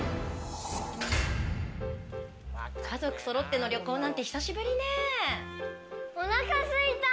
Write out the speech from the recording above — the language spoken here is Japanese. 家族そろっての旅行なんて久おなかすいたー。